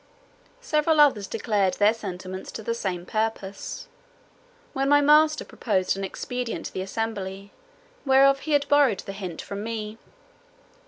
Several others declared their sentiments to the same purpose, when my master proposed an expedient to the assembly, whereof he had indeed borrowed the hint from me.